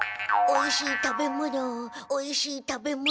おいしい食べ物おいしい食べ物。